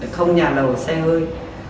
không nhà lầu xe hơi